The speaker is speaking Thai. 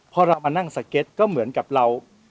พอเรามานั่งสเก็ตก็เหมือนกับเรา